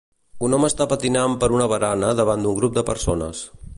Un home està patinant per una barana davant d'un grup de persones.